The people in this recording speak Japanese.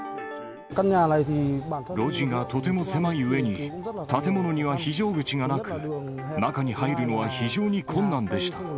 路地がとても狭いうえに、建物には非常口がなく、中に入るのは非常に困難でした。